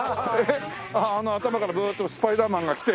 あの頭からグーッとスパイダーマンが来て。